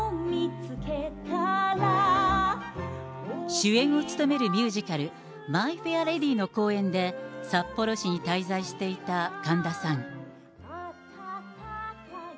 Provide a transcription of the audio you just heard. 主演を務めるミュージカル、マイ・フェア・レディの公演で札幌市に滞在していた神田さん。